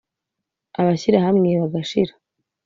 Abashyirahamwe bagashira